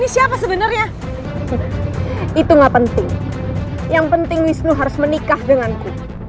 tapi semua orang di indonesia selalu melihat mereka banyak